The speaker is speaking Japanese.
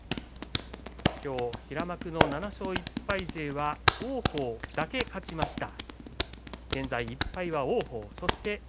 今日平幕の７勝１敗勢は王鵬だけ勝ちました。